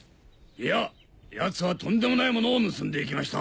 いやヤツはとんでもないものを盗んでいきました。